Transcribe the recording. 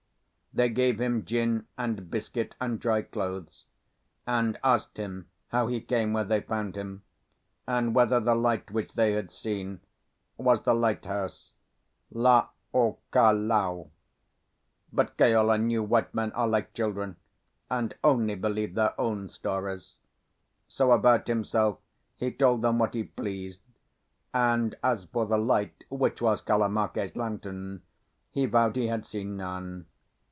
They gave him gin and biscuit and dry clothes, and asked him how he came where they found him, and whether the light which they had seen was the lighthouse, Lae o Ka Laau. But Keola knew white men are like children and only believe their own stories; so about himself he told them what he pleased, and as for the light (which was Kalamake's lantern) he vowed he had seen none.